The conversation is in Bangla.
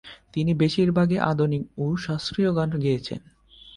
তিনি বেশিরভাগই আধুনিক ও শাস্ত্রীয় গান গেয়েছেন।